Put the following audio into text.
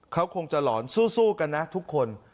เขาคงจะหลอนสู้กันนะทุกคน